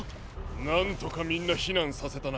なんとかみんなひなんさせたな。